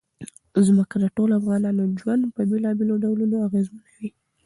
ځمکه د ټولو افغانانو ژوند په بېلابېلو ډولونو اغېزمنوي.